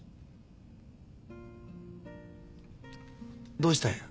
どうしたんや？